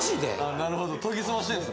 なるほど研ぎ澄ましてるんですね？